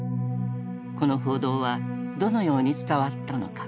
この報道はどのように伝わったのか。